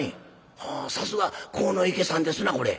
「はあさすが鴻池さんですなこれ。